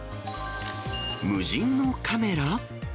無人のカメラ？